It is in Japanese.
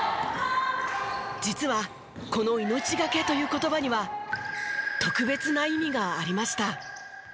実はこの「命がけ」という言葉には特別な意味がありました。